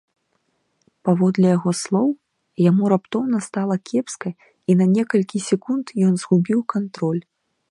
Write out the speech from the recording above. Паводле яго слоў, яму раптоўна стала кепска і на некалькі секунд ён згубіў кантроль.